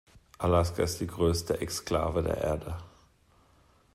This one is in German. Alaska ist die größte Exklave der Erde.